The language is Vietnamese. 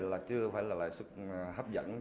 là lợi nhuận hấp dẫn